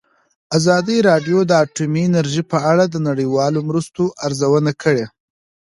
ازادي راډیو د اټومي انرژي په اړه د نړیوالو مرستو ارزونه کړې.